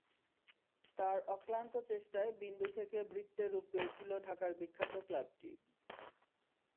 তাঁর অক্লান্ত চেষ্টায় বিন্দু থেকে বৃত্তে রূপ পেয়েছিল ঢাকার বিখ্যাত ক্লাবটি।